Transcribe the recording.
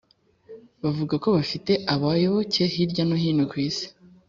bavuga ko bafite abayoboke hirya no hino ku isi